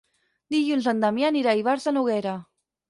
Dilluns en Damià anirà a Ivars de Noguera.